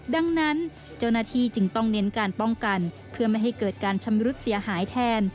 ดังนั้นเจ้าหน้าที่จึงต้องเน้นการป้องกันเพื่อไม่ให้เกิดการชำรุดเสียหายแทน